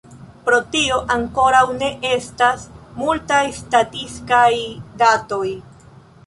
Pro tio ankoraŭ ne estas multaj statistikaj datoj.